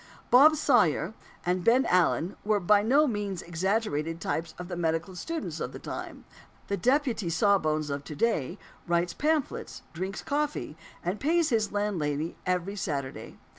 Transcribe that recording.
Bob Sawyer and Ben Allen were by no means exaggerated types of the medical students of the time. The "deputy sawbones" of to day writes pamphlets, drinks coffee, and pays his landlady every Saturday.